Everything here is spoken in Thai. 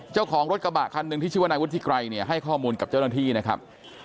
เจ้าของรถกระบะคันหนึ่งที่ชื่อว่านายวุฒิไกรเนี่ยให้ข้อมูลกับเจ้าหน้าที่นะครับ